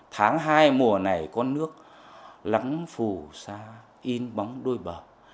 tháng hai mùa này con nước lắng phù xa in bóng đôi bờ